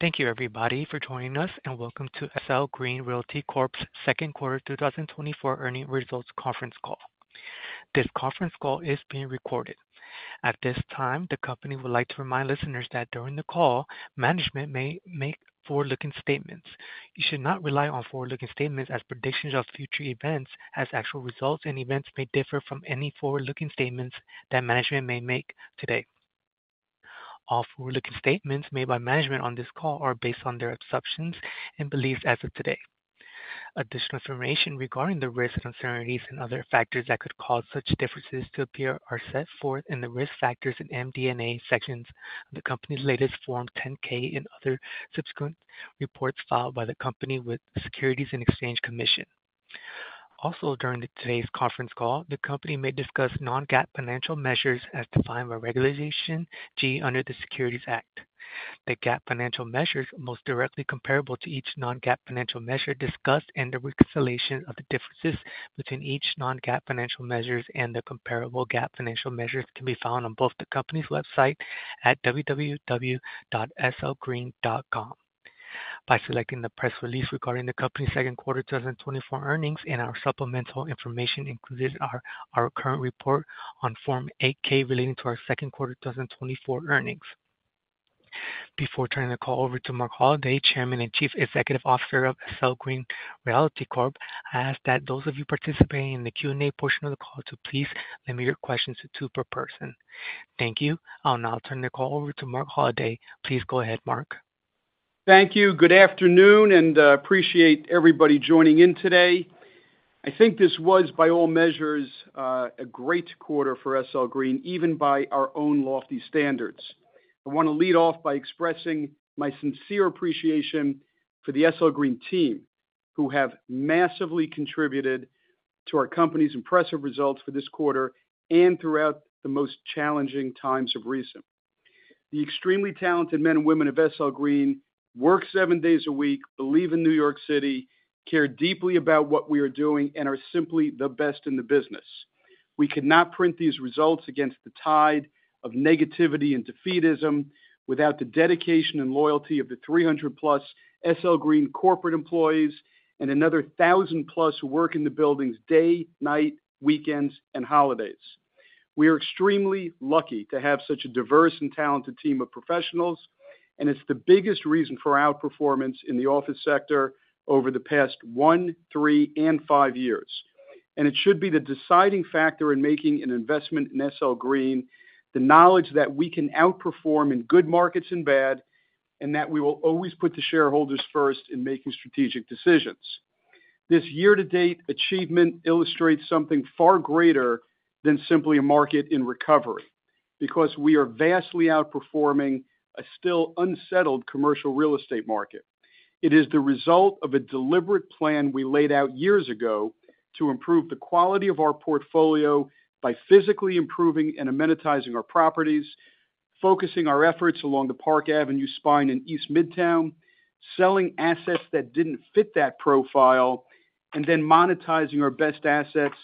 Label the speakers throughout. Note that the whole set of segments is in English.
Speaker 1: Thank you, everybody, for joining us, and welcome to SL Green Realty Corp's second quarter 2024 earnings results conference call. This conference call is being recorded. At this time, the company would like to remind listeners that during the call, management may make forward-looking statements. You should not rely on forward-looking statements as predictions of future events, as actual results and events may differ from any forward-looking statements that management may make today. All forward-looking statements made by management on this call are based on their assumptions and beliefs as of today. Additional information regarding the risks, uncertainties, and other factors that could cause such differences to appear are set forth in the Risk Factors and MD&A sections of the company's latest Form 10-K and other subsequent reports filed by the company with the Securities and Exchange Commission. Also, during today's conference call, the company may discuss non-GAAP financial measures as defined by Regulation G under the Securities Act. The GAAP financial measures most directly comparable to each non-GAAP financial measure discussed, and the reconciliation of the differences between each non-GAAP financial measures and the comparable GAAP financial measures can be found on both the company's website at www.slgreen.com. By selecting the press release regarding the company's second quarter 2024 earnings and our supplemental information, including our current report on Form 8-K relating to our second quarter 2024 earnings. Before turning the call over to Marc Holliday, Chairman and Chief Executive Officer of SL Green Realty Corp., I ask that those of you participating in the Q&A portion of the call to please limit your questions to 2 per person. Thank you. I'll now turn the call over to Marc Holliday. Please go ahead, Marc.
Speaker 2: Thank you. Good afternoon and appreciate everybody joining in today. I think this was, by all measures, a great quarter for SL Green, even by our own lofty standards. I want to lead off by expressing my sincere appreciation for the SL Green team, who have massively contributed to our company's impressive results for this quarter and throughout the most challenging times of recent. The extremely talented men and women of SL Green work seven days a week, believe in New York City, care deeply about what we are doing, and are simply the best in the business. We could not print these results against the tide of negativity and defeatism without the dedication and loyalty of the 300-plus SL Green corporate employees and another 1,000-plus who work in the buildings day, night, weekends, and holidays. We are extremely lucky to have such a diverse and talented team of professionals, and it's the biggest reason for our performance in the office sector over the past one, three, and five years. It should be the deciding factor in making an investment in SL Green, the knowledge that we can outperform in good markets and bad, and that we will always put the shareholders first in making strategic decisions. This year-to-date achievement illustrates something far greater than simply a market in recovery, because we are vastly outperforming a still unsettled commercial real estate market. It is the result of a deliberate plan we laid out years ago to improve the quality of our portfolio by physically improving and amenitizing our properties, focusing our efforts along the Park Avenue spine in East Midtown, selling assets that didn't fit that profile, and then monetizing our best assets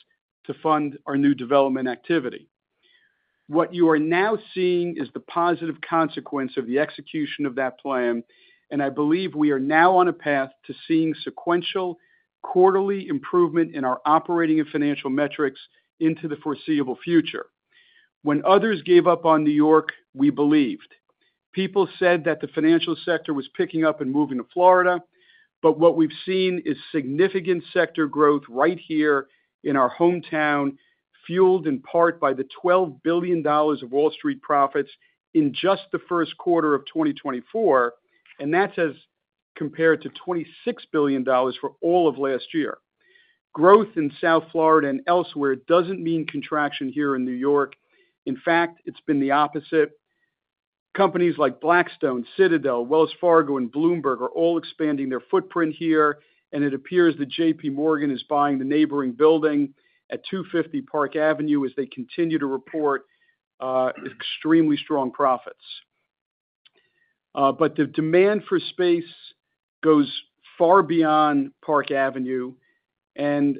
Speaker 2: to fund our new development activity. What you are now seeing is the positive consequence of the execution of that plan, and I believe we are now on a path to seeing sequential quarterly improvement in our operating and financial metrics into the foreseeable future. When others gave up on New York, we believed. People said that the financial sector was picking up and moving to Florida, but what we've seen is significant sector growth right here in our hometown, fueled in part by the $12 billion of Wall Street profits in just the first quarter of 2024, and that's as compared to $26 billion for all of last year. Growth in South Florida and elsewhere doesn't mean contraction here in New York. In fact, it's been the opposite. Companies like Blackstone, Citadel, Wells Fargo, and Bloomberg are all expanding their footprint here, and it appears that J.P. Morgan is buying the neighboring building at 250 Park Avenue as they continue to report extremely strong profits. But the demand for space goes far beyond Park Avenue, and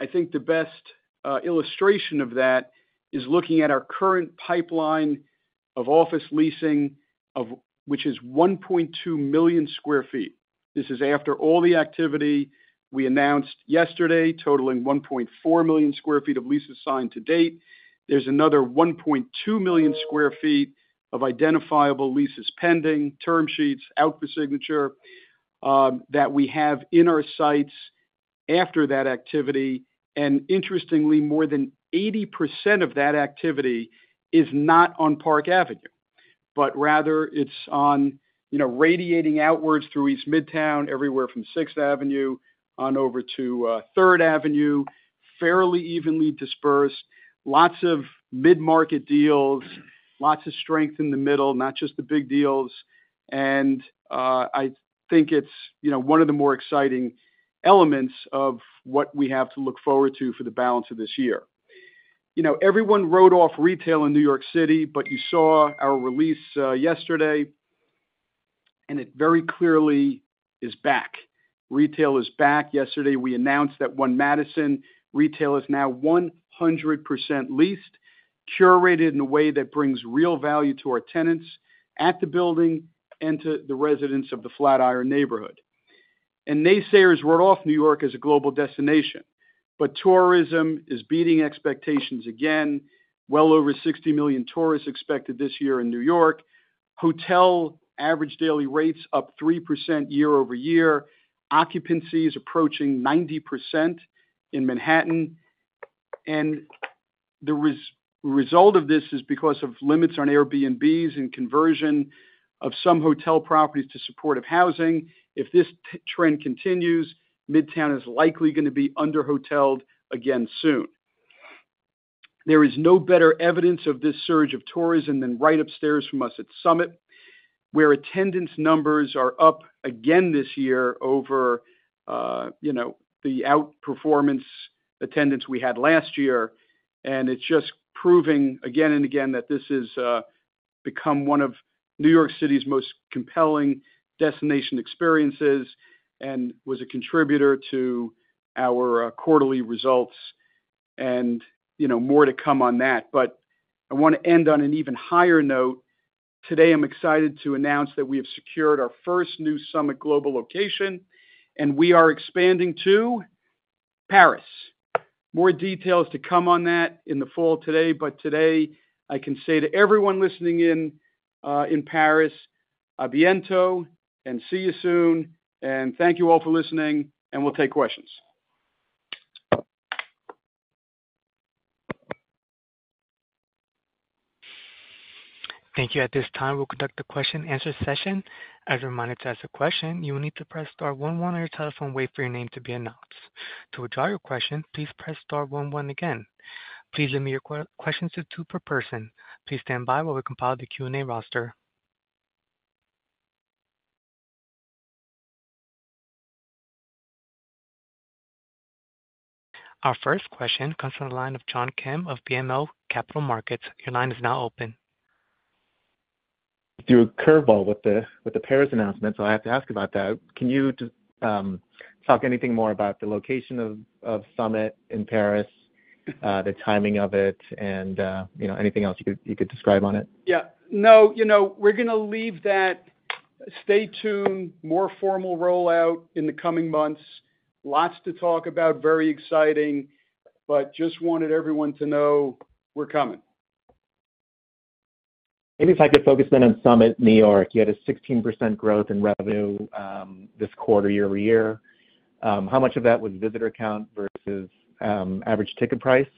Speaker 2: I think the best illustration of that is looking at our current pipeline of office leasing, of which is 1.2 million sq ft. This is after all the activity we announced yesterday, totaling 1.4 million sq ft of leases signed to date. There's another 1.2 million sq ft of identifiable leases pending, term sheets out for signature, that we have in our sights after that activity. And interestingly, more than 80% of that activity is not on Park Avenue, but rather it's on, you know, radiating outwards through East Midtown, everywhere from Sixth Avenue on over to Third Avenue, fairly evenly dispersed. Lots of mid-market deals, lots of strength in the middle, not just the big deals. I think it's, you know, one of the more exciting elements of what we have to look forward to for the balance of this year. You know, everyone wrote off retail in New York City, but you saw our release, yesterday, and it very clearly is back. Retail is back. Yesterday, we announced that One Madison Retail is now 100% leased, curated in a way that brings real value to our tenants at the building and to the residents of the Flatiron neighborhood. Naysayers wrote off New York as a global destination, but tourism is beating expectations again. Well over 60 million tourists expected this year in New York. Hotel average daily rates up 3% year-over-year. Occupancy is approaching 90% in Manhattan, and the result of this is because of limits on Airbnbs and conversion of some hotel properties to supportive housing. If this trend continues, Midtown is likely going to be under-hoteled again soon. There is no better evidence of this surge of tourism than right upstairs from us at Summit, where attendance numbers are up again this year over, you know, the outperformance attendance we had last year. It's just proving again and again that this is become one of New York City's most compelling destination experiences and was a contributor to our quarterly results, and, you know, more to come on that. I want to end on an even higher note. Today, I'm excited to announce that we have secured our first new Summit global location, and we are expanding to Paris. More details to come on that in the fall today, but today I can say to everyone listening in, in Paris, à bientôt, and see you soon, and thank you all for listening, and we'll take questions.
Speaker 1: Thank you. At this time, we'll conduct a question-and-answer session. As a reminder, to ask a question, you will need to press star one one on your telephone, wait for your name to be announced. To withdraw your question, please press star one one again. Please limit your questions to two per person. Please stand by while we compile the Q&A roster. Our first question comes from the line of John Kim of BMO Capital Markets. Your line is now open.
Speaker 3: Threw a curveball with the Paris announcement, so I have to ask about that. Can you just talk anything more about the location of Summit in Paris, the timing of it, and, you know, anything else you could describe on it?
Speaker 2: Yeah. No, you know, we're gonna leave that... Stay tuned. More formal rollout in the coming months. Lots to talk about. Very exciting, but just wanted everyone to know we're coming.
Speaker 3: Maybe if I could focus then on Summit New York. You had a 16% growth in revenue, this quarter year-over-year. How much of that was visitor count versus average ticket price?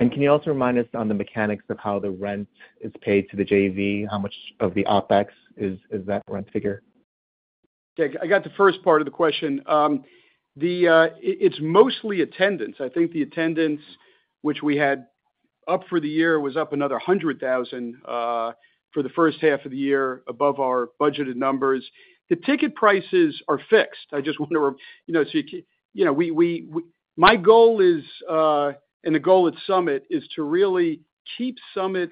Speaker 3: And can you also remind us on the mechanics of how the rent is paid to the JV? How much of the OpEx is, is that rent figure?
Speaker 2: Okay, I got the first part of the question. It's mostly attendance. I think the attendance, which we had up for the year, was up another 100,000 for the first half of the year, above our budgeted numbers. The ticket prices are fixed. I just wonder, you know, so you know, we, we, my goal is, and the goal at Summit is to really keep Summit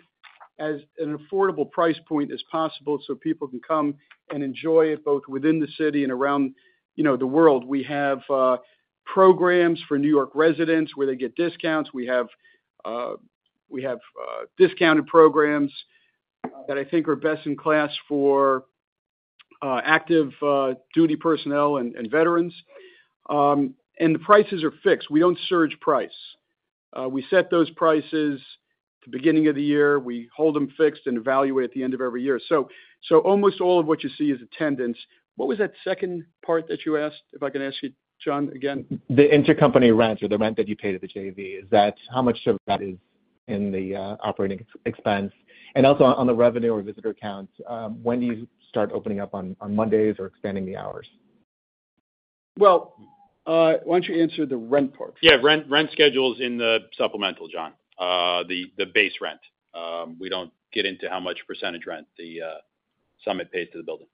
Speaker 2: as an affordable price point as possible so people can come and enjoy it both within the city and around, you know, the world. We have programs for New York residents, where they get discounts. We have, we have, discounted programs that I think are best in class for active duty personnel and, and veterans. And the prices are fixed. We don't surge price. We set those prices the beginning of the year. We hold them fixed and evaluate at the end of every year. So, almost all of what you see is attendance. What was that second part that you asked, if I can ask you, John, again?
Speaker 3: The intercompany rent or the rent that you pay to the JV, how much of that is in the operating expense? And also on the revenue or visitor counts, when do you start opening up on Mondays or expanding the hours?
Speaker 2: Well, why don't you answer the rent part?
Speaker 4: Yeah, rent schedule is in the supplemental, John. The base rent. We don't get into how much percentage rent the Summit paid to the building.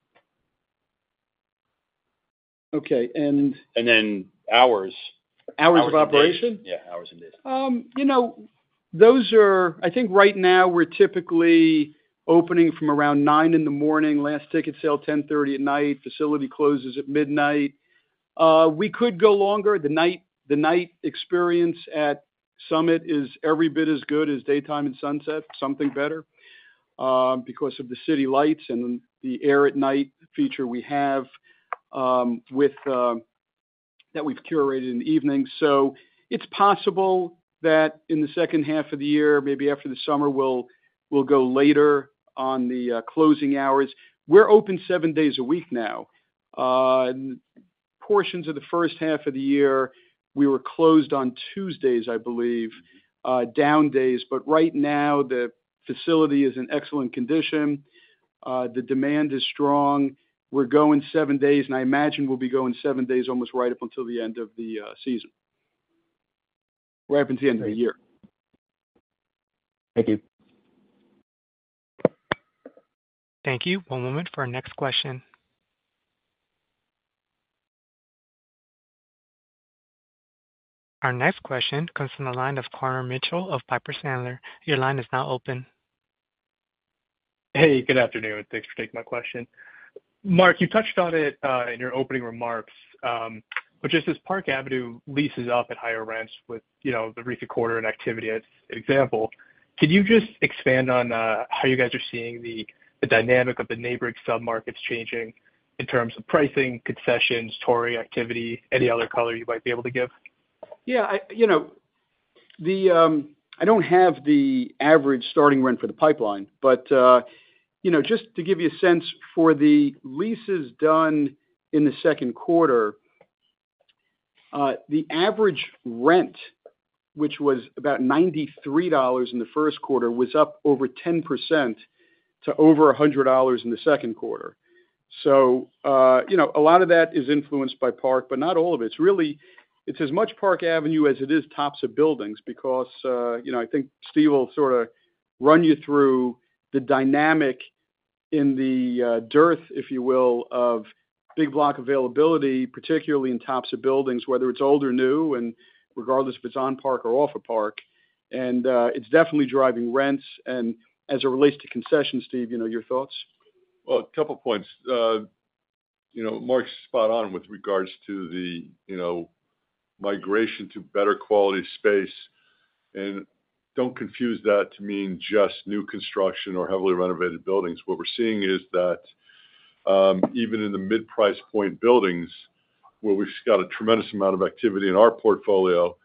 Speaker 2: Okay, and-
Speaker 4: And then hours.
Speaker 2: Hours of operation?
Speaker 4: Yeah, hours and days.
Speaker 2: You know, those are... I think right now we're typically opening from around 9:00 A.M., last ticket sale 10:30 P.M., facility closes at midnight. We could go longer. The night, the night experience at Summit is every bit as good as daytime and sunset, something better, because of the city lights and the Air at night feature we have, with... That we've curated in the evening. So it's possible that in the second half of the year, maybe after the summer, we'll, we'll go later on the, closing hours. We're open seven days a week now. In portions of the first half of the year, we were closed on Tuesdays, I believe, down days, but right now the facility is in excellent condition. The demand is strong. We're going seven days, and I imagine we'll be going seven days almost right up until the end of the season. Right up until the end of the year.
Speaker 3: Thank you.
Speaker 1: Thank you. One moment for our next question... Our next question comes from the line of Connor Mitchell of Piper Sandler. Your line is now open.
Speaker 5: Hey, good afternoon. Thanks for taking my question. Marc, you touched on it in your opening remarks, which is this Park Avenue leases up at higher rents with, you know, the recent quarter and activity as an example. Can you just expand on how you guys are seeing the, the dynamic of the neighboring submarkets changing in terms of pricing, concessions, touring activity, any other color you might be able to give?
Speaker 2: Yeah, you know, I don't have the average starting rent for the pipeline, but, you know, just to give you a sense, for the leases done in the second quarter, the average rent, which was about $93 in the first quarter, was up over 10% to over $100 in the second quarter. So, you know, a lot of that is influenced by Park, but not all of it. It's really, it's as much Park Avenue as it is tops of buildings, because, you know, I think Steve will sort of run you through the dynamic in the, dearth, if you will, of big block availability, particularly in tops of buildings, whether it's old or new, and regardless if it's on Park or off of Park. And, it's definitely driving rents. As it relates to concessions, Steve, you know, your thoughts?
Speaker 6: Well, a couple points. You know, Marc's spot on with regards to the, you know, migration to better quality space, and don't confuse that to mean just new construction or heavily renovated buildings. What we're seeing is that, even in the mid-price point buildings, where we've got a tremendous amount of activity in our portfolio,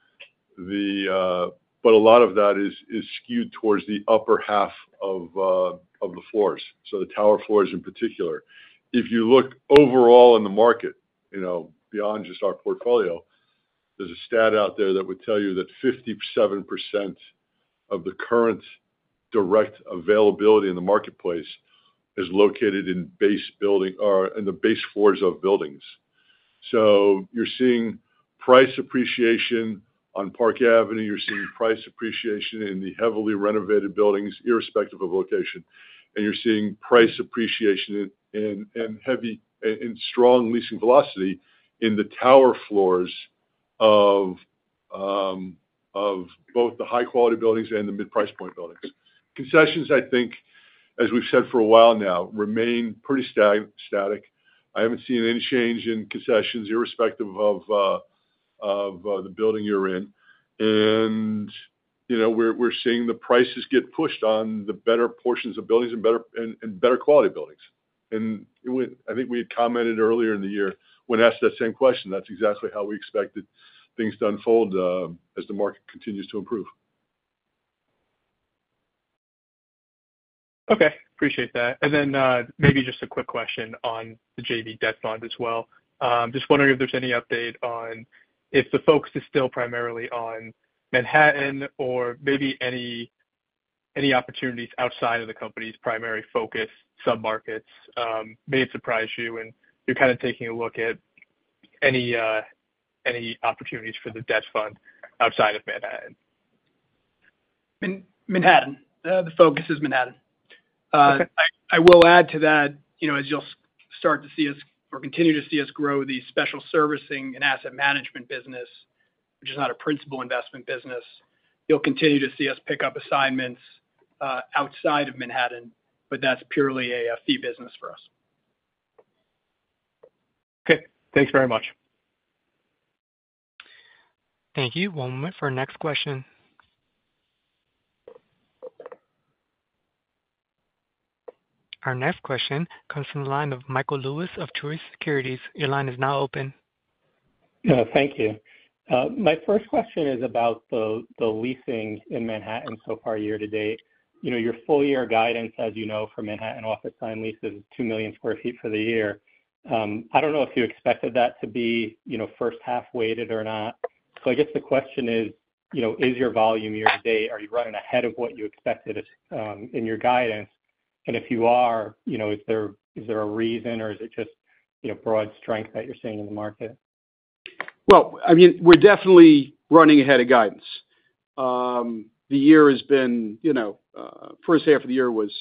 Speaker 6: but a lot of that is skewed towards the upper half of the floors, so the tower floors in particular. If you look overall in the market, you know, beyond just our portfolio, there's a stat out there that would tell you that 57% of the current direct availability in the marketplace is located in base building or in the base floors of buildings. So you're seeing price appreciation on Park Avenue, you're seeing price appreciation in the heavily renovated buildings, irrespective of location, and you're seeing price appreciation and strong leasing velocity in the tower floors of both the high-quality buildings and the mid-price point buildings. Concessions, I think, as we've said for a while now, remain pretty static. I haven't seen any change in concessions, irrespective of the building you're in. And, you know, we're seeing the prices get pushed on the better portions of buildings and better quality buildings. And I think we had commented earlier in the year when asked that same question, that's exactly how we expected things to unfold as the market continues to improve.
Speaker 5: Okay, appreciate that. And then, maybe just a quick question on the JV debt fund as well. Just wondering if there's any update on if the focus is still primarily on Manhattan or maybe any, any opportunities outside of the company's primary focus submarkets, may have surprised you, and you're kind of taking a look at any, any opportunities for the debt fund outside of Manhattan.
Speaker 7: Manhattan. The focus is Manhattan.
Speaker 5: Okay.
Speaker 7: I will add to that, you know, as you'll start to see us or continue to see us grow the special servicing and asset management business, which is not a principal investment business, you'll continue to see us pick up assignments outside of Manhattan, but that's purely a fee business for us.
Speaker 5: Okay, thanks very much.
Speaker 1: Thank you. One moment for our next question. Our next question comes from the line of Michael Lewis of Truist Securities. Your line is now open.
Speaker 8: Thank you. My first question is about the leasing in Manhattan so far, year to date. You know, your full year guidance, as you know, for Manhattan office signed leases is 2 million sq ft for the year. I don't know if you expected that to be, you know, first half weighted or not. So I guess the question is, you know, is your volume year to date, are you running ahead of what you expected in your guidance? And if you are, you know, is there a reason, or is it just, you know, broad strength that you're seeing in the market?
Speaker 2: Well, I mean, we're definitely running ahead of guidance. The year has been, you know, first half of the year was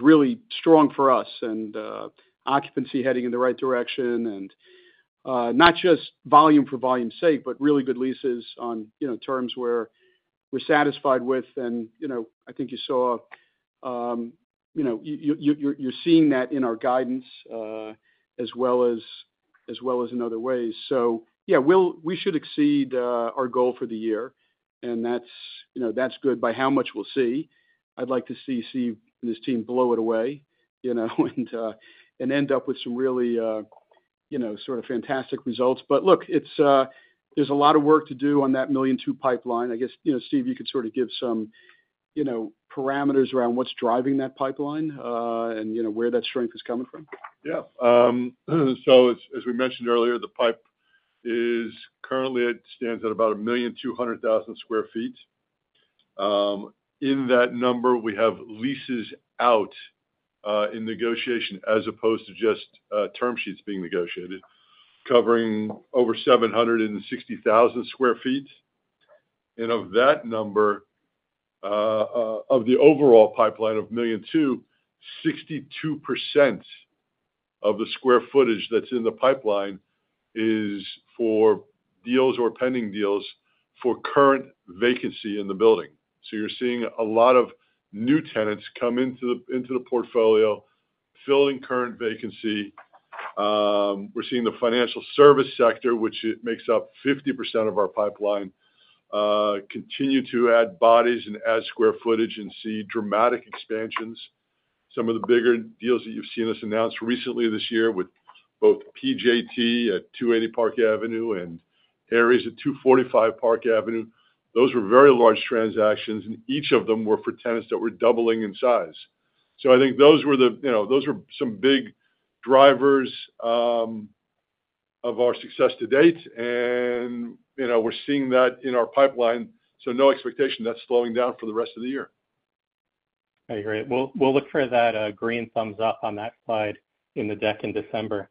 Speaker 2: really strong for us, and occupancy heading in the right direction and not just volume for volume's sake, but really good leases on, you know, terms where we're satisfied with. And, you know, I think you saw, you know, you're seeing that in our guidance, as well as in other ways. So yeah, we'll—we should exceed our goal for the year, and that's, you know, that's good. By how much? We'll see. I'd like to see Steve and his team blow it away, you know, and end up with some really, you know, sort of fantastic results. But look, it's, there's a lot of work to do on that $1.2 million pipeline. I guess, you know, Steve, you could sort of give some, you know, parameters around what's driving that pipeline, and you know, where that strength is coming from.
Speaker 6: Yeah. So as we mentioned earlier, the pipe is currently at stands at about 1,200,000 sq ft. In that number, we have leases out in negotiation as opposed to just term sheets being negotiated, covering over 760,000 sq ft.... and of that number, of the overall pipeline of 1.2 million, 62% of the square footage that's in the pipeline is for deals or pending deals for current vacancy in the building. So you're seeing a lot of new tenants come into the, into the portfolio, filling current vacancy. We're seeing the financial service sector, which it makes up 50% of our pipeline, continue to add bodies and add square footage and see dramatic expansions. Some of the bigger deals that you've seen us announce recently this year with both PJT at 280 Park Avenue and Ares at 245 Park Avenue, those were very large transactions, and each of them were for tenants that were doubling in size. So, I think those were the, you know, those were some big drivers of our success to date, and, you know, we're seeing that in our pipeline, so no expectation that's slowing down for the rest of the year.
Speaker 8: I agree. We'll look for that green thumbs up on that slide in the deck in December.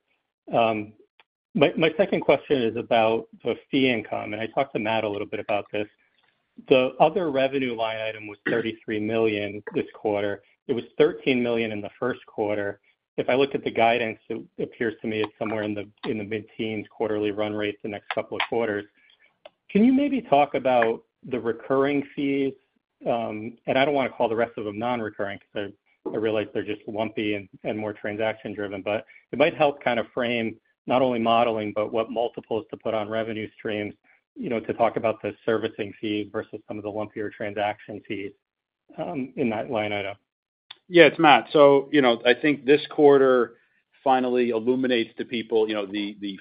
Speaker 8: My second question is about the fee income, and I talked to Matt a little bit about this. The other revenue line item was $33 million this quarter. It was $13 million in the first quarter. If I look at the guidance, it appears to me it's somewhere in the mid-teens, quarterly run rate the next couple of quarters. Can you maybe talk about the recurring fees? And I don't want to call the rest of them non-recurring, because I realize they're just lumpy and more transaction driven, but it might help kind of frame not only modeling, but what multiples to put on revenue streams, you know, to talk about the servicing fee versus some of the lumpier transaction fees in that line item.
Speaker 4: Yeah, it's Matt. So, you know, I think this quarter finally illuminates to people, you know, the, the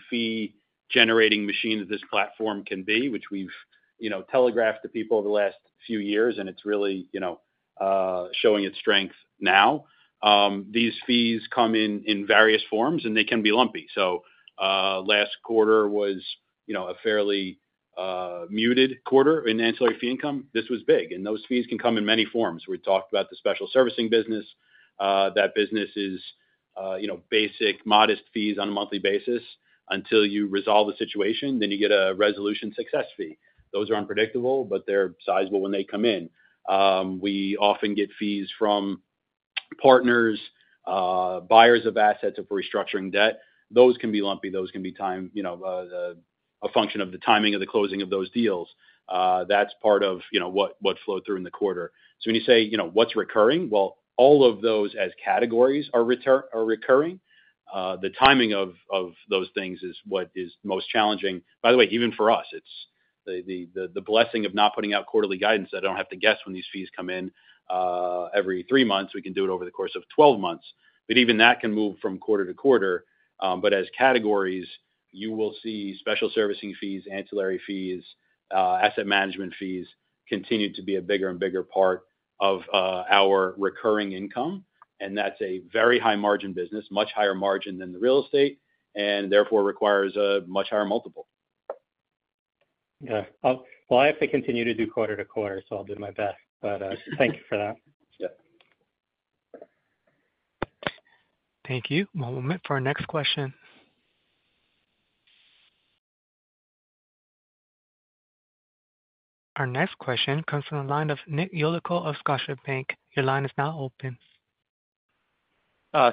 Speaker 4: fee-generating machine that this platform can be, which we've, you know, telegraphed to people over the last few years, and it's really, you know, showing its strength now. These fees come in various forms, and they can be lumpy. So, last quarter was, you know, a fairly muted quarter in ancillary fee income. This was big, and those fees can come in many forms. We talked about the special servicing business. That business is, you know, basic, modest fees on a monthly basis until you resolve the situation, then you get a resolution success fee. Those are unpredictable, but they're sizable when they come in. We often get fees from partners, buyers of assets of restructuring debt. Those can be lumpy, those can be time, you know, a function of the timing of the closing of those deals. That's part of, you know, what flowed through in the quarter. So when you say, you know, what's recurring? Well, all of those as categories are return-- are recurring. The timing of those things is what is most challenging. By the way, even for us, it's the blessing of not putting out quarterly guidance. I don't have to guess when these fees come in every three months. We can do it over the course of twelve months, but even that can move from quarter to quarter. As categories, you will see special servicing fees, ancillary fees, asset management fees continue to be a bigger and bigger part of our recurring income, and that's a very high margin business, much higher margin than the real estate, and therefore, requires a much higher multiple.
Speaker 8: Yeah. Well, I have to continue to do quarter-to-quarter, so I'll do my best, but, thank you for that.
Speaker 4: Yeah.
Speaker 1: Thank you. One moment for our next question. Our next question comes from the line of Nick Yulico of Scotiabank. Your line is now open.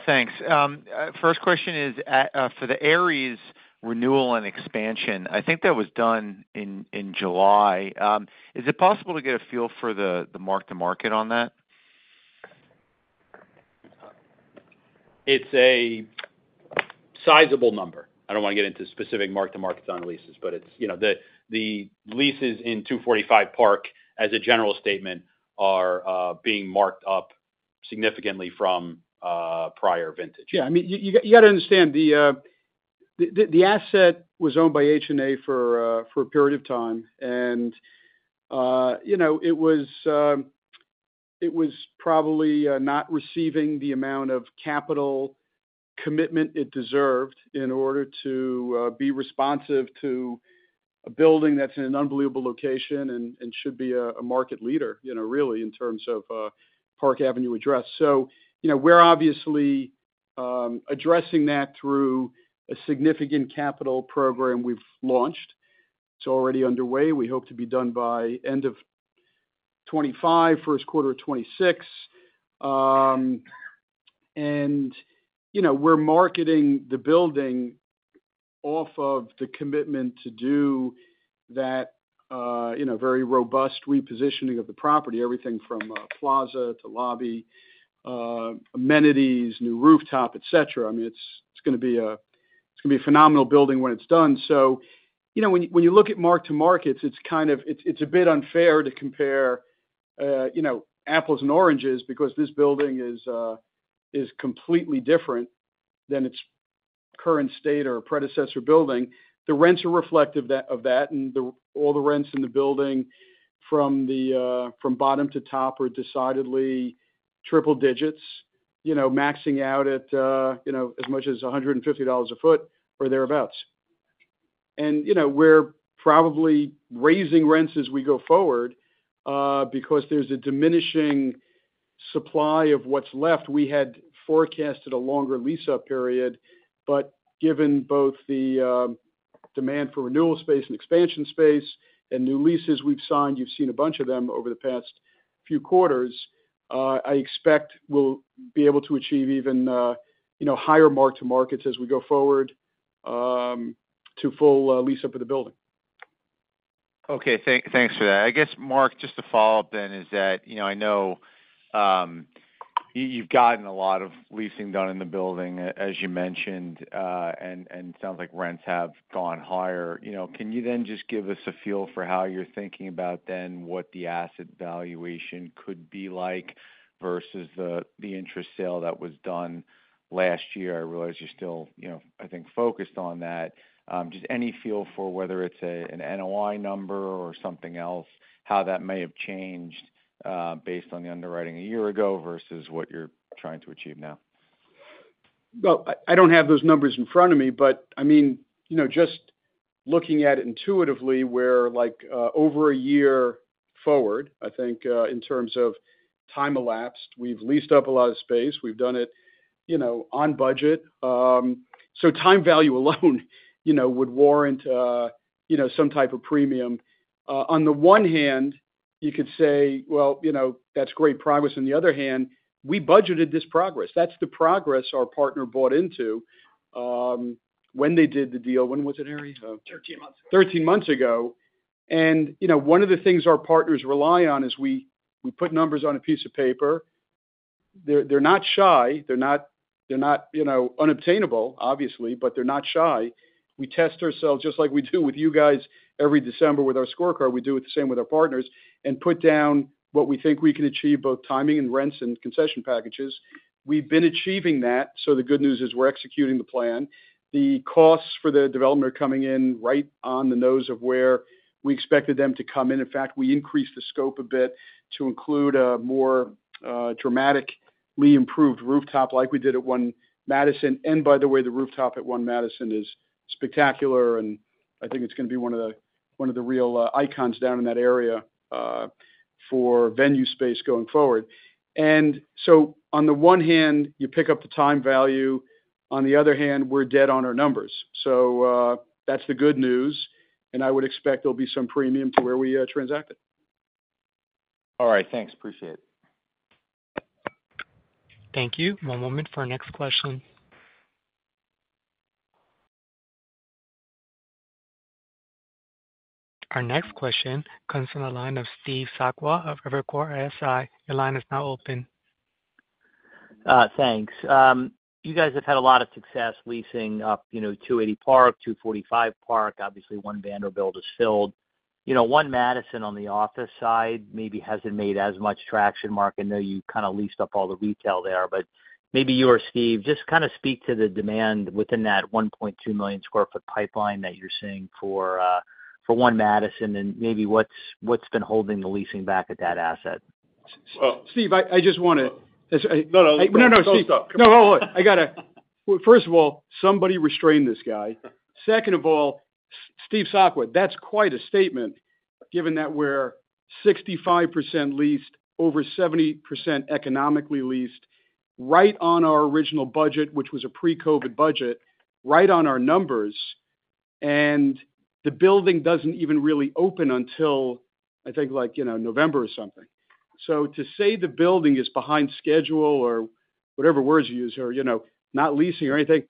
Speaker 9: Thanks. First question is for the Ares renewal and expansion. I think that was done in July. Is it possible to get a feel for the mark-to-market on that?
Speaker 4: It's a sizable number. I don't want to get into specific mark-to-markets on leases, but it's, you know, the leases in 245 Park, as a general statement, are being marked up significantly from prior vintage.
Speaker 2: Yeah, I mean, you gotta understand, the asset was owned by HNA for a period of time, and you know, it was probably not receiving the amount of capital commitment it deserved in order to be responsive to a building that's in an unbelievable location and should be a market leader, you know, really, in terms of Park Avenue address. So, you know, we're obviously addressing that through a significant capital program we've launched. It's already underway. We hope to be done by end of 2025, first quarter of 2026. And you know, we're marketing the building off of the commitment to do that, you know, very robust repositioning of the property, everything from plaza to lobby, amenities, new rooftop, et cetera. I mean, it's gonna be a phenomenal building when it's done. So, you know, when you look at mark-to-markets, it's kind of... it's a bit unfair to compare, you know, apples and oranges because this building is completely different than its current state or predecessor building. The rents are reflective that, of that, and all the rents in the building from bottom to top are decidedly triple digits, you know, maxing out at, you know, as much as $150 a foot or thereabouts. And, you know, we're probably raising rents as we go forward because there's a diminishing-... Supply of what's left, we had forecasted a longer lease-up period, but given both the demand for renewal space and expansion space and new leases we've signed, you've seen a bunch of them over the past few quarters. I expect we'll be able to achieve even, you know, higher mark-to-markets as we go forward to full lease up of the building.
Speaker 10: Okay, thanks for that. I guess, Marc, just to follow up then, is that, you know, I know, you've gotten a lot of leasing done in the building, as you mentioned, and it sounds like rents have gone higher. You know, can you then just give us a feel for how you're thinking about then what the asset valuation could be like versus the, the interest sale that was done last year? I realize you're still, you know, I think, focused on that. Just any feel for whether it's an NOI number or something else, how that may have changed, based on the underwriting a year ago versus what you're trying to achieve now?
Speaker 2: Well, I don't have those numbers in front of me, but I mean, you know, just looking at it intuitively, we're like, over a year forward, I think, in terms of time elapsed. We've leased up a lot of space. We've done it, you know, on budget. So time value alone, you know, would warrant, you know, some type of premium. On the one hand, you could say, well, you know, that's great progress. On the other hand, we budgeted this progress. That's the progress our partner bought into, when they did the deal. When was it, Harry?
Speaker 11: 13 months ago.
Speaker 2: 13 months ago. You know, one of the things our partners rely on is we put numbers on a piece of paper. They're not shy, they're not unobtainable, obviously, but they're not shy. We test ourselves, just like we do with you guys every December with our scorecard. We do it the same with our partners, and put down what we think we can achieve, both timing and rents and concession packages. We've been achieving that, so the good news is we're executing the plan. The costs for the development are coming in right on the nose of where we expected them to come in. In fact, we increased the scope a bit to include a more dramatically improved rooftop like we did at One Madison. And by the way, the rooftop at One Madison is spectacular, and I think it's gonna be one of the, one of the real, icons down in that area, for venue space going forward. And so on the one hand, you pick up the time value, on the other hand, we're dead on our numbers. So, that's the good news, and I would expect there'll be some premium to where we, transact it.
Speaker 10: All right, thanks. Appreciate it.
Speaker 1: Thank you. One moment for our next question. Our next question comes from the line of Steve Sakwa of Evercore ISI. Your line is now open.
Speaker 12: Thanks. You guys have had a lot of success leasing up, you know, 280 Park, 245 Park. Obviously, One Vanderbilt is filled. You know, One Madison, on the office side, maybe hasn't made as much traction, Mark. I know you kind of leased up all the retail there, but maybe you or Steve, just kind of speak to the demand within that 1.2 million sq ft pipeline that you're seeing for One Madison, and maybe what's been holding the leasing back at that asset?
Speaker 2: Well, Steve, I just wanna-
Speaker 6: No, no-
Speaker 2: No, no, Steve.
Speaker 6: Go, go ahead.
Speaker 2: No, hold on. I gotta... Well, first of all, somebody restrain this guy. Second of all, Steve Sakwa, that's quite a statement, given that we're 65% leased, over 70% economically leased, right on our original budget, which was a pre-COVID budget, right on our numbers, and the building doesn't even really open until, I think, like, you know, November or something. So to say the building is behind schedule or whatever words you use, or you know, not leasing or anything,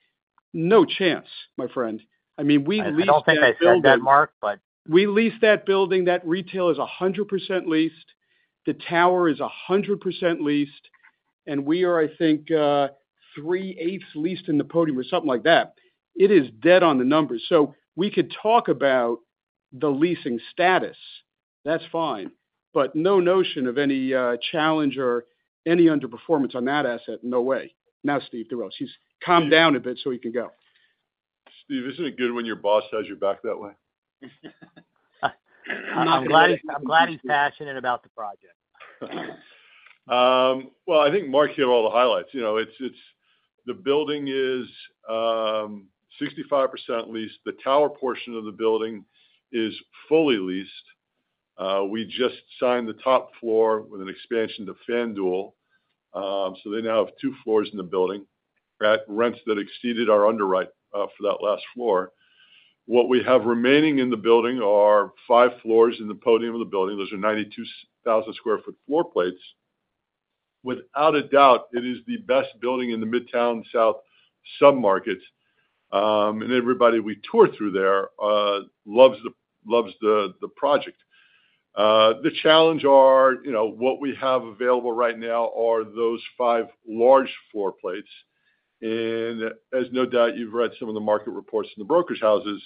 Speaker 2: no chance, my friend. I mean, we leased that building-
Speaker 12: I don't think I said that, Marc, but-
Speaker 2: We leased that building. That retail is 100% leased, the tower is 100% leased, and we are, I think, 3/8 leased in the podium or something like that. It is dead on the numbers. So we could talk about the leasing status, that's fine, but no notion of any challenge or any underperformance on that asset. No way. Now, Steve Durels, he's calmed down a bit, so he can go.
Speaker 6: Steve, isn't it good when your boss has your back that way?
Speaker 12: I'm glad he's passionate about the project.
Speaker 6: Well, I think Marc hit all the highlights. You know, it's, it's... The building is 65% leased. The tower portion of the building is fully leased. We just signed the top floor with an expansion to FanDuel, so they now have two floors in the building, at rents that exceeded our underwrite, for that last floor. What we have remaining in the building are five floors in the podium of the building. Those are 92,000 sq ft floor plates. Without a doubt, it is the best building in the Midtown South sub-market, and everybody we tour through there loves the project. The challenge are, you know, what we have available right now are those five large floor plates, and as no doubt, you've read some of the market reports in the brokerage houses,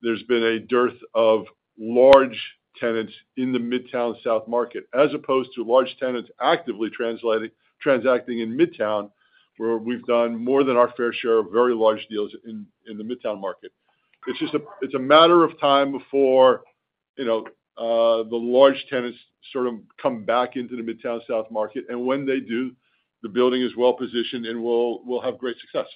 Speaker 6: there's been a dearth of large tenants in the Midtown South market, as opposed to large tenants actively transacting in Midtown, where we've done more than our fair share of very large deals in the Midtown market. It's just a matter of time before, you know, the large tenants sort of come back into the Midtown South market, and when they do, the building is well positioned, and we'll have great success....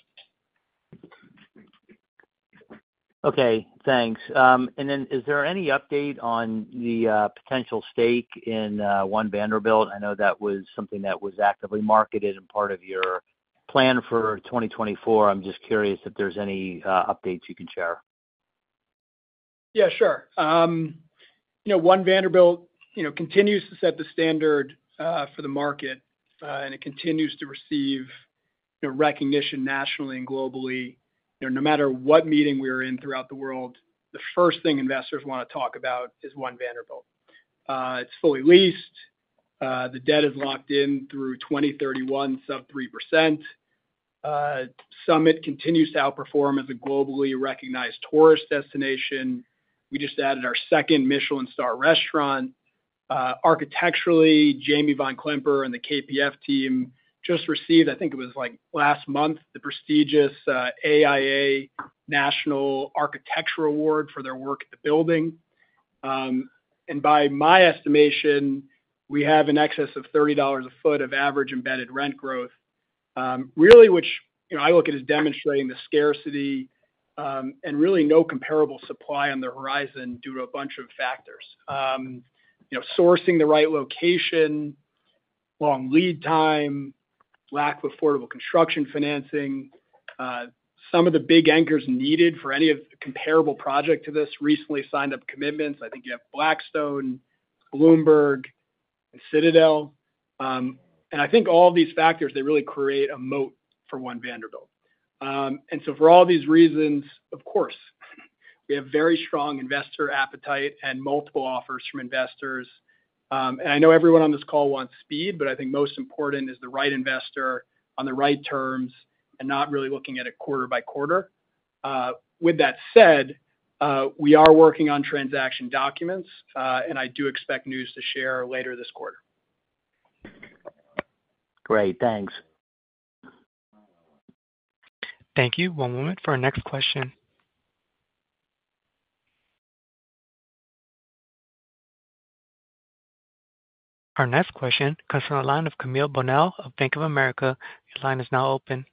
Speaker 12: Okay, thanks. And then is there any update on the potential stake in One Vanderbilt? I know that was something that was actively marketed and part of your plan for 2024. I'm just curious if there's any updates you can share.
Speaker 7: Yeah, sure. You know, One Vanderbilt, you know, continues to set the standard, for the market, and it continues to receive, you know, recognition nationally and globally. You know, no matter what meeting we're in throughout the world, the first thing investors wanna talk about is One Vanderbilt. It's fully leased. The debt is locked in through 2031, sub 3%. Summit continues to outperform as a globally recognized tourist destination. We just added our second Michelin Star restaurant. Architecturally, Jamie von Klemperer and the KPF team just received, I think it was, like, last month, the prestigious, AIA National Architectural Award for their work at the building. And by my estimation, we have an excess of $30 a foot of average embedded rent growth. Really, which, you know, I look at as demonstrating the scarcity, and really no comparable supply on the horizon due to a bunch of factors. You know, sourcing the right location, long lead time, lack of affordable construction financing. Some of the big anchors needed for any of comparable project to this recently signed up commitments. I think you have Blackstone, Bloomberg, and Citadel. And I think all these factors, they really create a moat for One Vanderbilt. And so for all these reasons, of course, we have very strong investor appetite and multiple offers from investors. And I know everyone on this call wants speed, but I think most important is the right investor on the right terms and not really looking at it quarter by quarter. With that said, we are working on transaction documents, and I do expect news to share later this quarter.
Speaker 12: Great. Thanks.
Speaker 1: Thank you. One moment for our next question. Our next question comes from the line of Camille Bonnel of Bank of America. Your line is now open.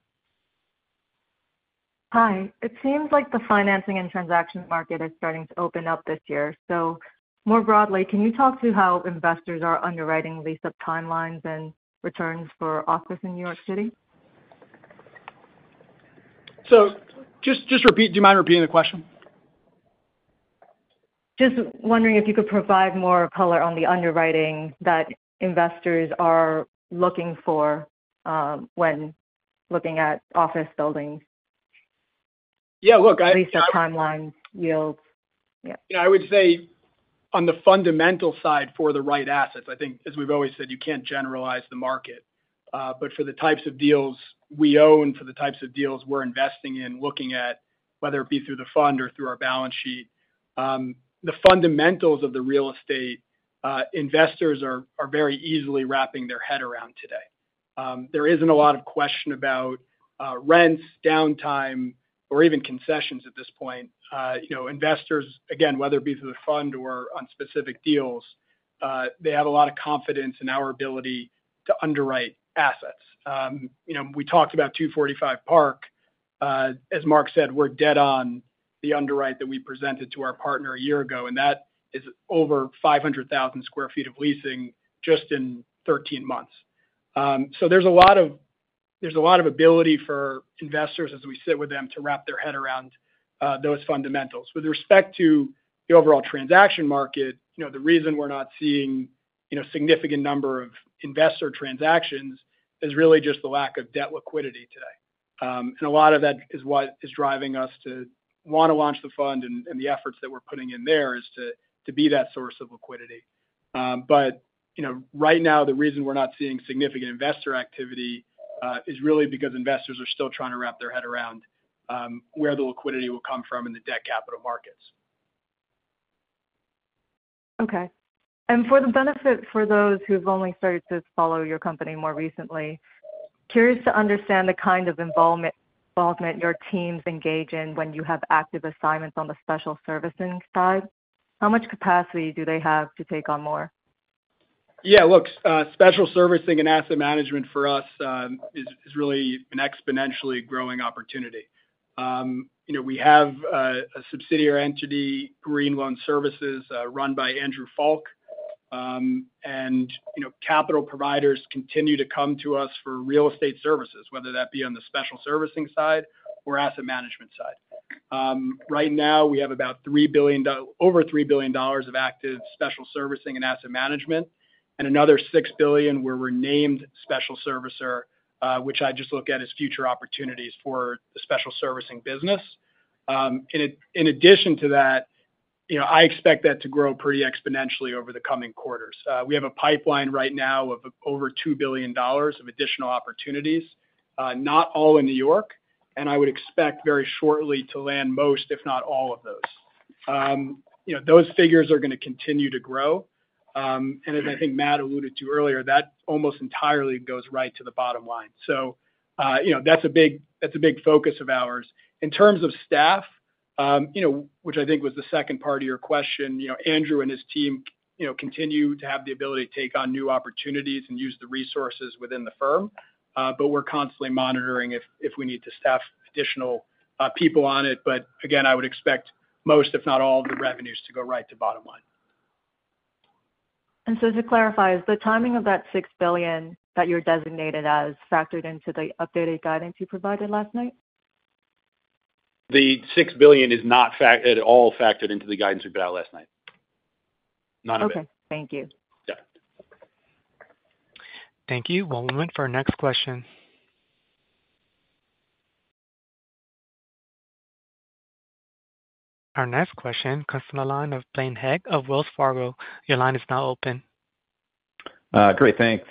Speaker 13: Hi. It seems like the financing and transaction market is starting to open up this year. More broadly, can you talk to how investors are underwriting lease-up timelines and returns for office in New York City?
Speaker 7: Just, just repeat, do you mind repeating the question?
Speaker 13: Just wondering if you could provide more color on the underwriting that investors are looking for, when looking at office buildings?
Speaker 7: Yeah, look, I-
Speaker 13: Lease-up timelines, yields. Yeah.
Speaker 7: Yeah, I would say on the fundamental side, for the right assets, I think as we've always said, you can't generalize the market. But for the types of deals we own, for the types of deals we're investing in, looking at, whether it be through the fund or through our balance sheet, the fundamentals of the real estate, investors are very easily wrapping their head around today. There isn't a lot of question about, rents, downtime, or even concessions at this point. You know, investors, again, whether it be through the fund or on specific deals, they have a lot of confidence in our ability to underwrite assets. You know, we talked about 245 Park. As Marc said, we're dead on the underwrite that we presented to our partner a year ago, and that is over 500,000 sq ft of leasing just in 13 months. So there's a lot of, there's a lot of ability for investors as we sit with them, to wrap their head around those fundamentals. With respect to the overall transaction market, you know, the reason we're not seeing, you know, significant number of investor transactions is really just the lack of debt liquidity today. And a lot of that is what is driving us to want to launch the fund and the efforts that we're putting in there is to be that source of liquidity. But, you know, right now, the reason we're not seeing significant investor activity is really because investors are still trying to wrap their head around where the liquidity will come from in the debt capital markets.
Speaker 13: Okay. For the benefit of those who've only started to follow your company more recently, curious to understand the kind of involvement your teams engage in when you have active assignments on the special servicing side. How much capacity do they have to take on more?
Speaker 7: Yeah, look, special servicing and asset management for us is really an exponentially growing opportunity. You know, we have a subsidiary entity, Green Loan Services, run by Andrew Falk. And, you know, capital providers continue to come to us for real estate services, whether that be on the special servicing side or asset management side. Right now, we have about $3 billion over $3 billion of active special servicing and asset management, and another $6 billion where we're named special servicer, which I just look at as future opportunities for the special servicing business. In addition to that, you know, I expect that to grow pretty exponentially over the coming quarters. We have a pipeline right now of over $2 billion of additional opportunities, not all in New York, and I would expect very shortly to land most, if not all, of those. You know, those figures are gonna continue to grow, and as I think Matt alluded to earlier, that almost entirely goes right to the bottom line. So, you know, that's a big, that's a big focus of ours. In terms of staff, you know-... which I think was the second part of your question. You know, Andrew and his team, you know, continue to have the ability to take on new opportunities and use the resources within the firm. But we're constantly monitoring if we need to staff additional people on it. But again, I would expect most, if not all, of the revenues to go right to bottom line.
Speaker 14: To clarify, is the timing of that $6 billion that you're designated as, factored into the updated guidance you provided last night?
Speaker 4: The $6 billion is not factored at all into the guidance we put out last night. None of it.
Speaker 14: Okay. Thank you.
Speaker 4: Yeah.
Speaker 1: Thank you. One moment for our next question. Our next question comes from the line of Blaine Heck of Wells Fargo. Your line is now open.
Speaker 15: Great, thanks.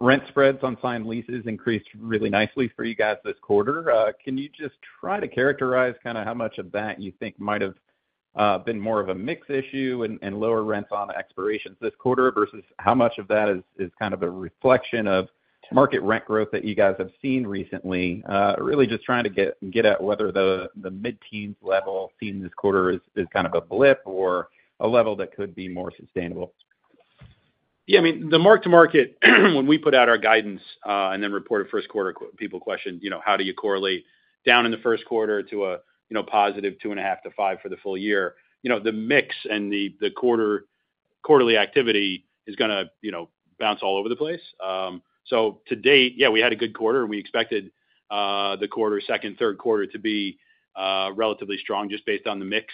Speaker 15: Rent spreads on signed leases increased really nicely for you guys this quarter. Can you just try to characterize kind of how much of that you think might have been more of a mix issue and lower rents on the expirations this quarter, versus how much of that is kind of a reflection of market rent growth that you guys have seen recently? Really just trying to get at whether the mid-teens level seen this quarter is kind of a blip or a level that could be more sustainable.
Speaker 4: Yeah, I mean, the mark-to-market, when we put out our guidance, and then reported first quarter, people questioned, you know, how do you correlate down in the first quarter to a, you know, positive 2.5 to 5 for the full year? You know, the mix and the quarterly activity is gonna, you know, bounce all over the place. So to date, yeah, we had a good quarter, and we expected the second, third quarter to be relatively strong, just based on the mix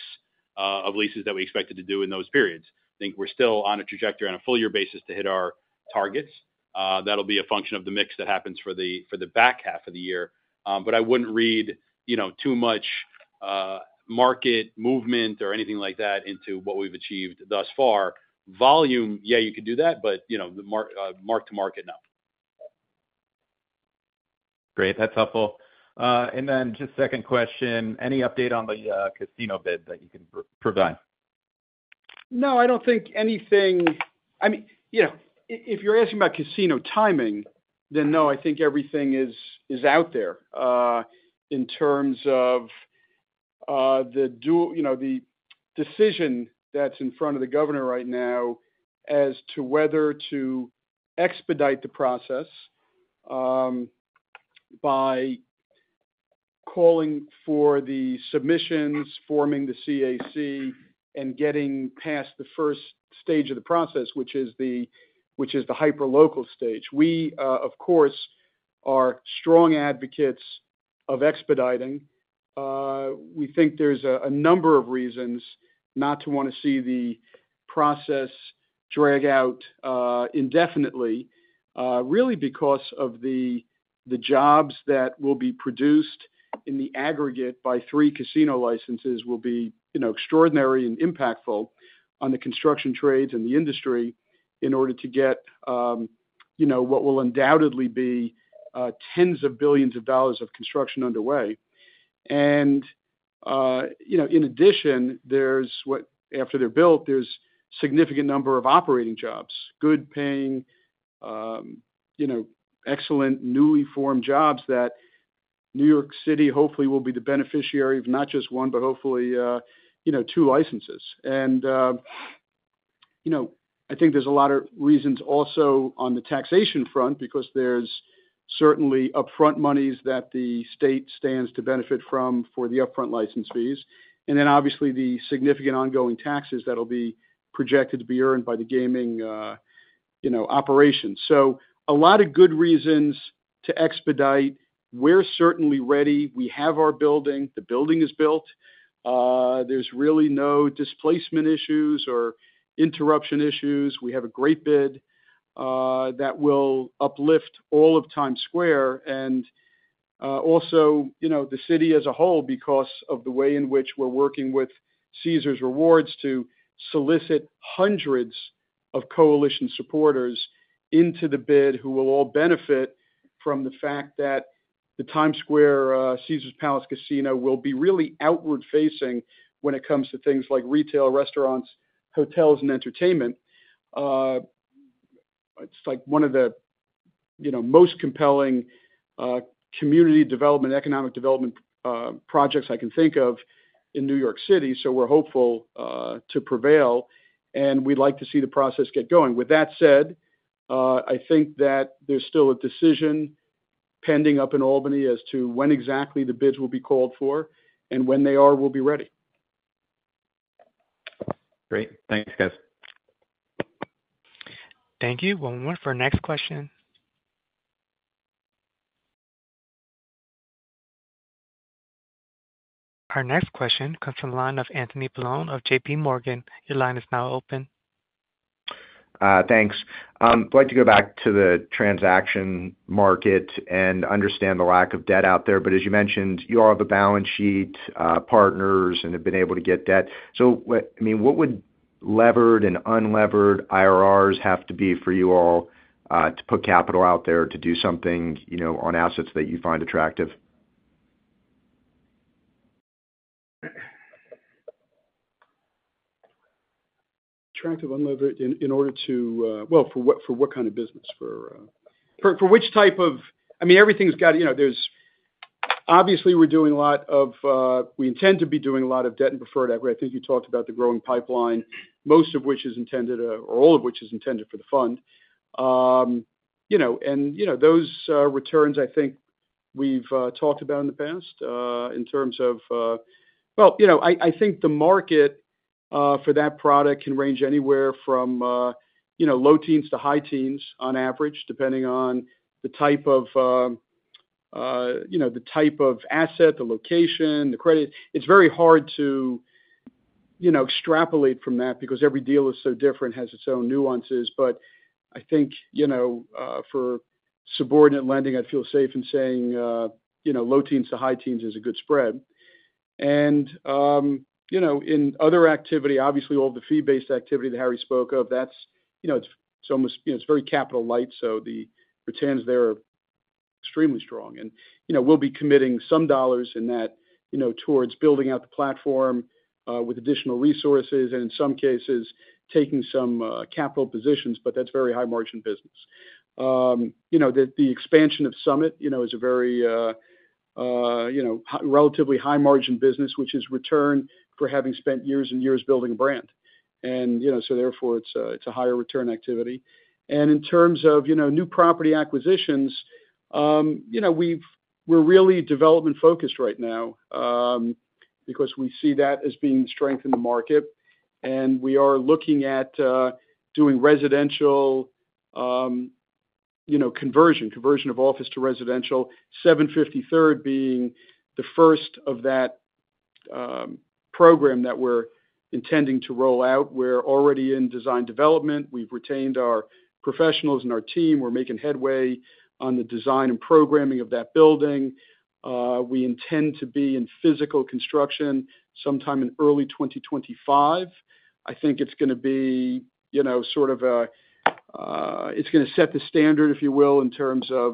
Speaker 4: of leases that we expected to do in those periods. I think we're still on a trajectory on a full year basis to hit our targets. That'll be a function of the mix that happens for the back half of the year. But I wouldn't read, you know, too much, market movement or anything like that, into what we've achieved thus far. Volume, yeah, you could do that, but, you know, the mark-to-market, no.
Speaker 15: Great. That's helpful. And then just second question, any update on the casino bid that you can provide?
Speaker 2: No, I don't think anything... I mean, you know, if you're asking about casino timing, then no, I think everything is out there in terms of the deal, you know, the decision that's in front of the governor right now as to whether to expedite the process by calling for the submissions, forming the CAC, and getting past the first stage of the process, which is the hyperlocal stage. We, of course, are strong advocates of expediting. We think there's a number of reasons not to wanna see the process drag out indefinitely, really because of the jobs that will be produced in the aggregate by three casino licenses will be you know extraordinary and impactful on the construction trades and the industry, in order to get you know what will undoubtedly be $ tens of billions of construction underway. In addition, there's what after they're built, there's a significant number of operating jobs, good-paying you know excellent newly formed jobs that New York City hopefully will be the beneficiary of not just one, but hopefully you know two licenses. You know, I think there's a lot of reasons also on the taxation front, because there's certainly upfront monies that the state stands to benefit from for the upfront license fees, and then obviously the significant ongoing taxes that'll be projected to be earned by the gaming, you know, operations. So a lot of good reasons to expedite. We're certainly ready. We have our building. The building is built. There's really no displacement issues or interruption issues. We have a great bid, that will uplift all of Times Square and, also, you know, the city as a whole, because of the way in which we're working with Caesars Rewards to solicit hundreds of coalition supporters into the bid, who will all benefit from the fact that the Times Square, Caesars Palace Casino will be really outward-facing when it comes to things like retail, restaurants, hotels, and entertainment. It's, like, one of the, you know, most compelling, community development, economic development, projects I can think of in New York City. So we're hopeful, to prevail, and we'd like to see the process get going. With that said, I think that there's still a decision pending up in Albany as to when exactly the bids will be called for, and when they are, we'll be ready.
Speaker 15: Great. Thanks, guys.
Speaker 1: Thank you. One moment for our next question. Our next question comes from the line of Anthony Paolone of J.P. Morgan. Your line is now open.
Speaker 14: Thanks. I'd like to go back to the transaction market and understand the lack of debt out there, but as you mentioned, you all have a balance sheet, partners, and have been able to get debt. So what- I mean, what would levered and unlevered IRRs have to be for you all to put capital out there to do something, you know, on assets that you find attractive? Attractive unlevered in order to, well, for what kind of business? For
Speaker 2: I mean, everything's got, you know, there's obviously we're doing a lot of, we intend to be doing a lot of debt and preferred equity. I think you talked about the growing pipeline, most of which is intended, or all of which is intended for the fund. You know, and, you know, those returns, I think we've talked about in the past, in terms of... Well, you know, I think the market for that product can range anywhere from, you know, low teens to high teens on average, depending on the type of, you know, the type of asset, the location, the credit. It's very hard to, you know, extrapolate from that because every deal is so different, has its own nuances. But I think, you know, for subordinate lending, I'd feel safe in saying, you know, low teens to high teens is a good spread. And, you know, in other activity, obviously all the fee-based activity that Harry spoke of, that's, you know, it's, it's almost, you know, it's very capital light, so the returns there are extremely strong. And, you know, we'll be committing some dollars in that, you know, towards building out the platform, with additional resources, and in some cases, taking some, capital positions, but that's very high-margin business. You know, the, the expansion of Summit, you know, is a very, you know, high- relatively high-margin business, which is return for having spent years and years building a brand. And, you know, so therefore, it's a, it's a higher return activity. In terms of, you know, new property acquisitions, we're really development-focused right now, because we see that as being strength in the market. We are looking at doing residential, you know, conversion of office to residential. 750 Third Avenue being the first of that program that we're intending to roll out. We're already in design development. We've retained our professionals and our team. We're making headway on the design and programming of that building. We intend to be in physical construction sometime in early 2025. I think it's gonna be, you know, sort of a. It's gonna set the standard, if you will, in terms of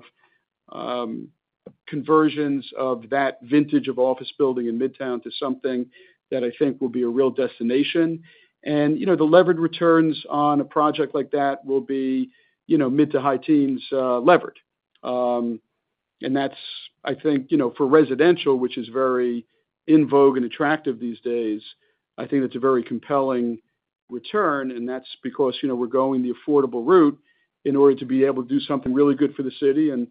Speaker 2: conversions of that vintage of office building in Midtown to something that I think will be a real destination. You know, the levered returns on a project like that will be, you know, mid to high teens, levered. And that's, I think, you know, for residential, which is very in vogue and attractive these days, I think that's a very compelling return, and that's because, you know, we're going the affordable route in order to be able to do something really good for the city and,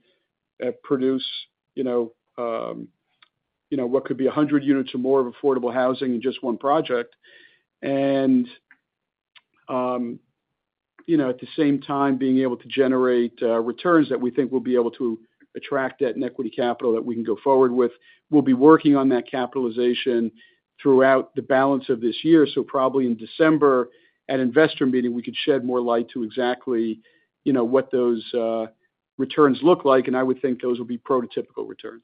Speaker 2: produce, you know, what could be 100 units or more of affordable housing in just one project. And, you know, at the same time, being able to generate, returns that we think we'll be able to attract debt and equity capital that we can go forward with. We'll be working on that capitalization throughout the balance of this year. So probably in December, at investor meeting, we could shed more light to exactly, you know, what those returns look like, and I would think those will be prototypical returns.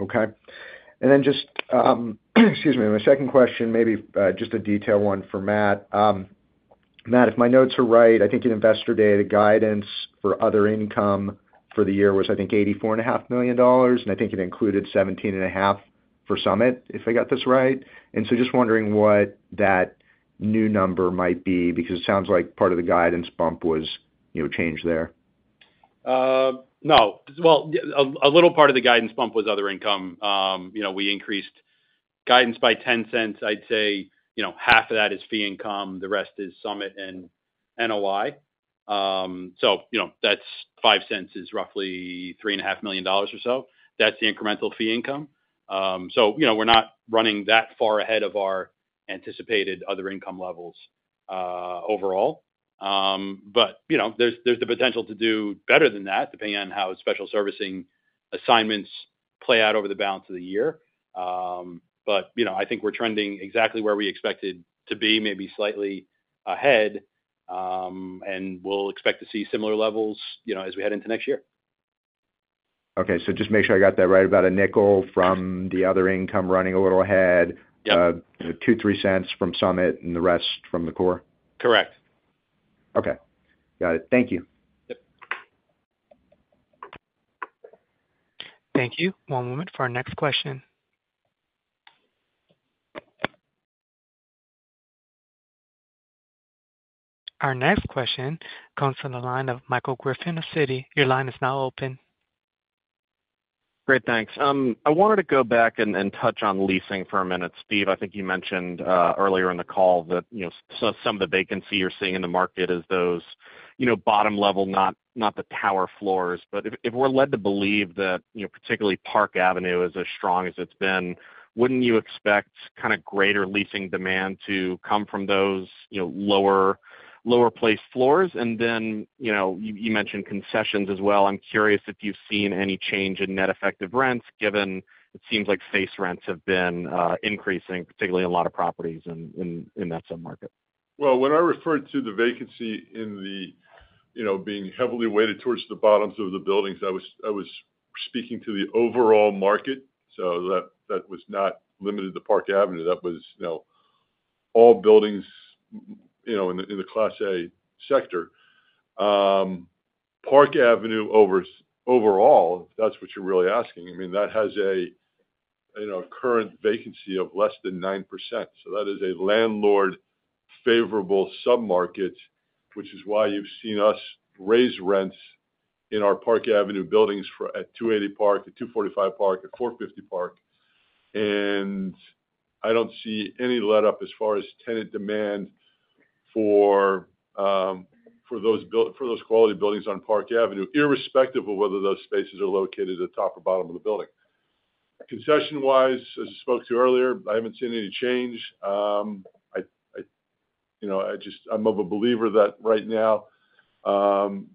Speaker 14: Okay. And then just, excuse me. My second question, maybe, just a detail one for Matt. Matt, if my notes are right, I think in Investor Day, the guidance for other income for the year was, I think, $84.5 million, and I think it included $17.5 million for Summit, if I got this right. And so just wondering what that new number might be, because it sounds like part of the guidance bump was, you know, changed there.
Speaker 4: No. Well, a little part of the guidance bump was other income. You know, we increased guidance by $0.10. I'd say, you know, half of that is fee income, the rest is Summit and NOI. So, you know, that's $0.05 is roughly $3.5 million or so. That's the incremental fee income. So, you know, we're not running that far ahead of our anticipated other income levels, overall. But, you know, there's the potential to do better than that, depending on how special servicing assignments play out over the balance of the year. But, you know, I think we're trending exactly where we expected to be, maybe slightly ahead, and we'll expect to see similar levels, you know, as we head into next year.
Speaker 14: Okay, so just make sure I got that right, about a nickel-
Speaker 4: Yes.
Speaker 14: From the other income running a little ahead.
Speaker 4: Yep.
Speaker 14: 2-3 cents from Summit and the rest from the core?
Speaker 4: Correct.
Speaker 14: Okay. Got it. Thank you.
Speaker 4: Yep.
Speaker 1: Thank you. One moment for our next question. Our next question comes from the line of Michael Griffin of Citi. Your line is now open.
Speaker 16: Great, thanks. I wanted to go back and touch on leasing for a minute. Steve, I think you mentioned earlier in the call that, you know, so some of the vacancy you're seeing in the market is those, you know, bottom level, not the tower floors. But if we're led to believe that, you know, particularly Park Avenue is as strong as it's been, wouldn't you expect kind of greater leasing demand to come from those, you know, lower place floors? And then, you know, you mentioned concessions as well. I'm curious if you've seen any change in net effective rents, given it seems like space rents have been increasing, particularly in a lot of properties in that sub-market.
Speaker 6: Well, when I referred to the vacancy in the, you know, being heavily weighted towards the bottoms of the buildings, I was, I was speaking to the overall market, so that, that was not limited to Park Avenue. That was, you know, all buildings-... you know, in the Class A sector. Park Avenue overall, if that's what you're really asking, I mean, that has a, you know, current vacancy of less than 9%. So that is a landlord-favorable submarket, which is why you've seen us raise rents in our Park Avenue buildings at 280 Park Avenue, at 245 Park Avenue, at 450 Park Avenue. And I don't see any letup as far as tenant demand for those quality buildings on Park Avenue, irrespective of whether those spaces are located at the top or bottom of the building. Concession-wise, as I spoke to earlier, I haven't seen any change. I, you know, I'm a believer that right now,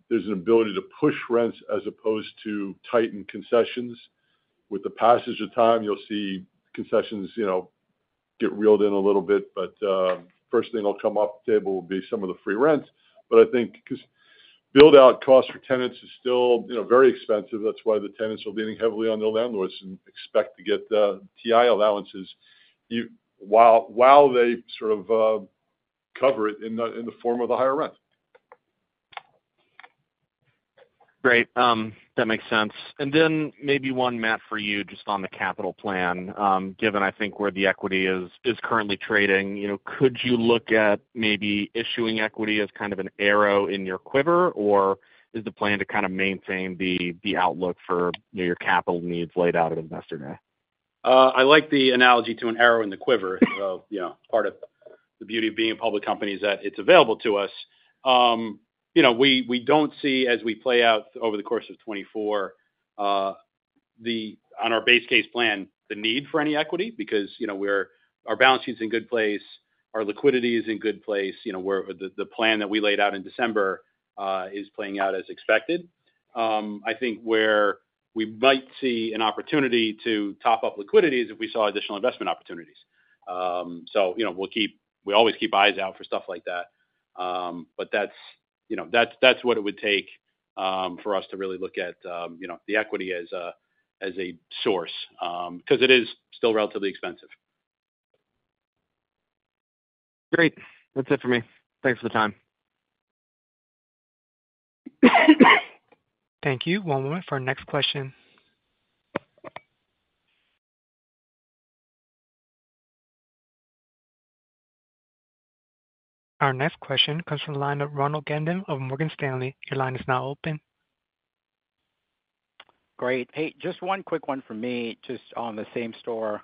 Speaker 6: there's an ability to push rents as opposed to tighten concessions. With the passage of time, you'll see concessions, you know, get reeled in a little bit, but first thing that'll come off the table will be some of the free rents. But I think 'cause build-out costs for tenants is still, you know, very expensive, that's why the tenants are leaning heavily on the landlords and expect to get TI allowances while they sort of cover it in the form of a higher rent.
Speaker 16: Great. That makes sense. And then maybe one, Matt, for you, just on the capital plan. Given, I think, where the equity is currently trading, you know, could you look at maybe issuing equity as kind of an arrow in your quiver, or is the plan to kind of maintain the outlook for, you know, your capital needs laid out at Investor Day?
Speaker 4: I like the analogy to an arrow in the quiver. You know, part of the beauty of being a public company is that it's available to us. You know, we, we don't see, as we play out over the course of 2024, on our base case plan, the need for any equity, because, you know, we're, our balance sheet's in good place, our liquidity is in good place, you know, where the, the plan that we laid out in December is playing out as expected. I think where we might see an opportunity to top up liquidity is if we saw additional investment opportunities. So, you know, we'll keep, we always keep eyes out for stuff like that. But that's, you know, what it would take for us to really look at, you know, the equity as a source, 'cause it is still relatively expensive.
Speaker 16: Great. That's it for me. Thanks for the time.
Speaker 1: Thank you. One moment for our next question. Our next question comes from the line of Ronald Kamdem of Morgan Stanley. Your line is now open.
Speaker 17: Great. Hey, just one quick one for me, just on the same store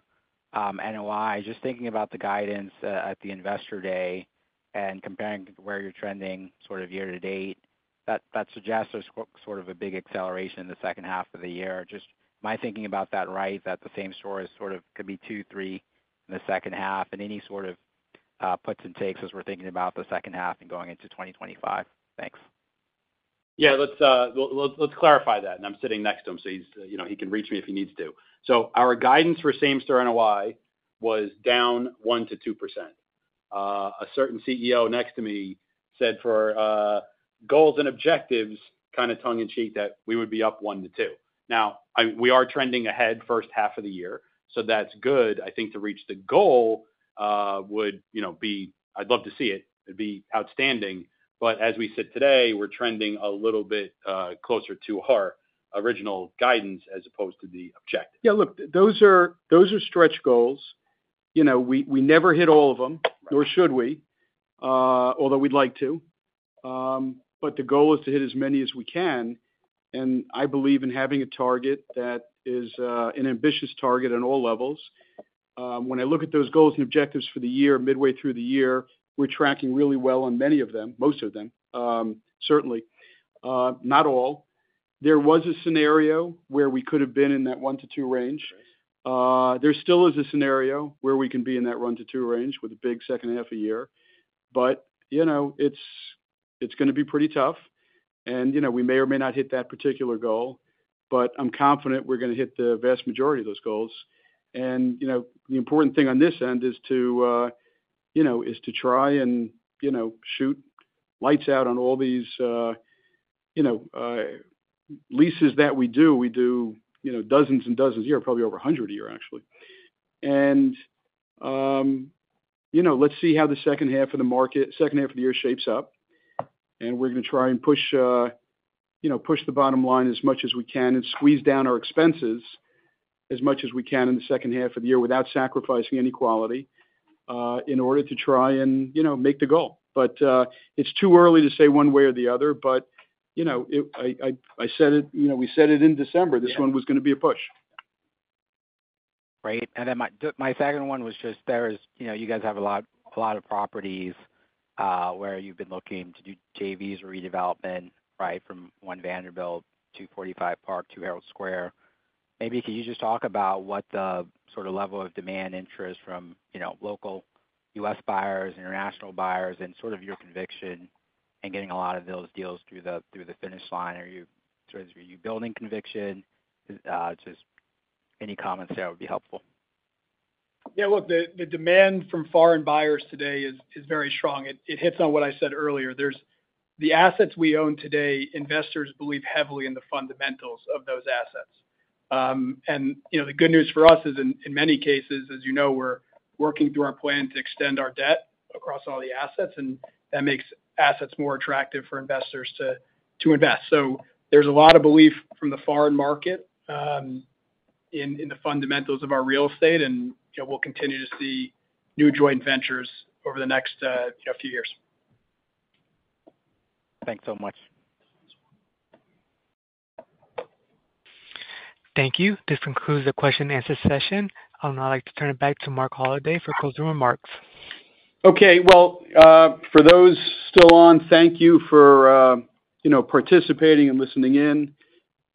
Speaker 17: NOI. Just thinking about the guidance at the Investor Day and comparing where you're trending sort of year to date, that suggests there's quite sort of a big acceleration in the second half of the year. Just my thinking about that, right? That the same store as sort of could be 2, 3 in the second half, and any sort of puts and takes as we're thinking about the second half and going into 2025. Thanks.
Speaker 4: Yeah, let's, let's, let's clarify that, and I'm sitting next to him, so he's, you know, he can reach me if he needs to. So our guidance for same store NOI was down 1%-2%. A certain CEO next to me said, for, goals and objectives, kind of tongue in cheek, that we would be up 1%-2%. Now, we are trending ahead first half of the year, so that's good. I think to reach the goal, would, you know, be... I'd love to see it. It'd be outstanding, but as we sit today, we're trending a little bit closer to our original guidance as opposed to the objective.
Speaker 2: Yeah, look, those are, those are stretch goals. You know, we, we never hit all of them, nor should we, although we'd like to. But the goal is to hit as many as we can, and I believe in having a target that is, an ambitious target on all levels. When I look at those goals and objectives for the year, midway through the year, we're tracking really well on many of them, most of them, certainly, not all. There was a scenario where we could have been in that one to two range.
Speaker 17: Right.
Speaker 2: There still is a scenario where we can be in that 1-2 range with a big second half of the year. But, you know, it's, it's gonna be pretty tough, and, you know, we may or may not hit that particular goal, but I'm confident we're gonna hit the vast majority of those goals. And, you know, the important thing on this end is to, you know, is to try and, you know, shoot lights out on all these, you know, leases that we do. We do, you know, dozens and dozens a year, probably over 100 a year, actually. You know, let's see how the second half of the year shapes up, and we're gonna try and push, you know, push the bottom line as much as we can and squeeze down our expenses as much as we can in the second half of the year without sacrificing any quality, in order to try and, you know, make the goal. But, it's too early to say one way or the other, but, you know, I said it, you know, we said it in December-
Speaker 17: Yeah.
Speaker 2: This one was gonna be a push.
Speaker 17: Right. Then my second one was just there is, you know, you guys have a lot of properties where you've been looking to do JVs or redevelopment, right? From One Vanderbilt to 245 Park to Herald Square. Maybe could you just talk about what the sort of level of demand interest from, you know, local US buyers, international buyers, and sort of your conviction in getting a lot of those deals through the finish line. Are you, sort of, are you building conviction? Just any comments there would be helpful.
Speaker 4: Yeah, look, the demand from foreign buyers today is very strong. It hits on what I said earlier. There's... The assets we own today, investors believe heavily in the fundamentals of those assets. And, you know, the good news for us is in many cases, as you know, we're working through our plan to extend our debt across all the assets, and that makes assets more attractive for investors to invest. So there's a lot of belief from the foreign market in the fundamentals of our real estate, and, you know, we'll continue to see new joint ventures over the next, you know, few years.
Speaker 17: Thanks so much.
Speaker 1: Thank you. This concludes the question and answer session. I'd now like to turn it back to Marc Holliday for closing remarks.
Speaker 2: Okay. Well, for those still on, thank you for, you know, participating and listening in.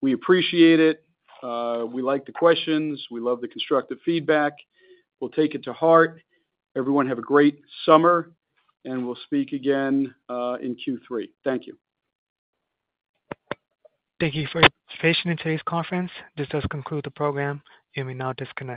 Speaker 2: We appreciate it. We like the questions. We love the constructive feedback. We'll take it to heart. Everyone, have a great summer, and we'll speak again, in Q3. Thank you.
Speaker 1: Thank you for your participation in today's conference. This does conclude the program. You may now disconnect.